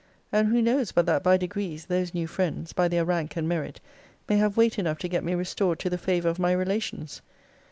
And who knows, but that, by degrees, those new friends, by their rank and merit, may have weight enough to get me restored to the favour of my relations?